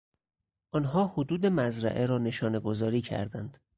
آنها حدود مزرعه را نشانهگذاری کردند.